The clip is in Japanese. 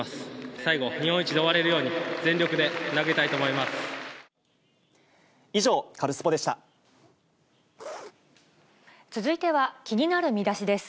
最後、日本一で終われるように、全力で投げたいと思います。